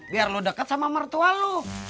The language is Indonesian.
biar lu deket sama mertua lu